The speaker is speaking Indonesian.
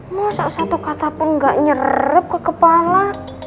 mau salah satu kata pun gak nyerep ke kepala